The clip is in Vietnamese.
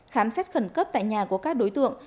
khám xét khẩn cấp tại nhà của các đối tượng